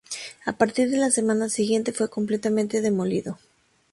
A partir de la semana siguiente fue completamente demolido.